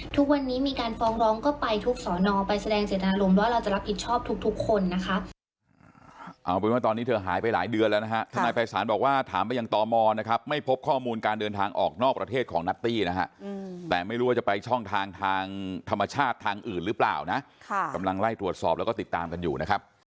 ทุกวันนี้มีการฟ้องร้องก็ไปทุกสอนอไปแสดงเจตนารมณ์ว่าเราจะรับผิดชอบทุกคนนะคะ